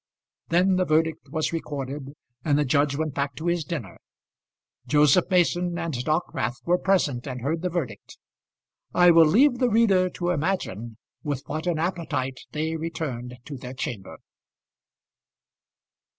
Then the verdict was recorded, and the judge went back to his dinner. Joseph Mason and Dockwrath were present and heard the verdict. I will leave the reader to imagine with what an appetite they returned to their chamber.